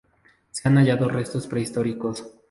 Se han hallado restos prehistóricos.